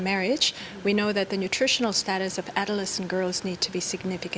pemerintah mencatat sembilan juta di antaranya adalah anak indonesia